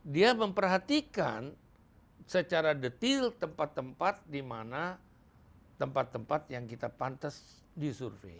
dia memperhatikan secara detil tempat tempat di mana tempat tempat yang kita pantas disurvey